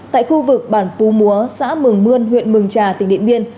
tại khu vực bản pú múa xã mường mươn huyện mường trà tỉnh điện biên